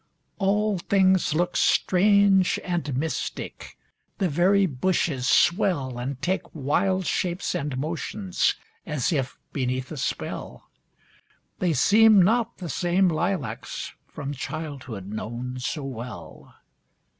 All things look strange and mystic, The very bushes swell And take wild shapes and motions, As if beneath a spell, They seem not the same lilacs From childhood known so well.